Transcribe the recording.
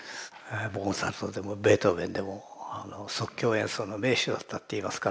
モーツァルトでもベートーベンでも即興演奏の名手だったっていいますからね。